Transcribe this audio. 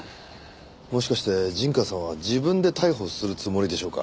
もしかして陣川さんは自分で逮捕するつもりでしょうか？